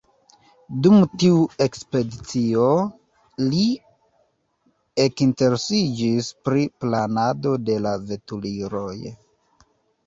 Dum tiu ekspedicio, li ekinteresiĝis pri planado de la veturiloj.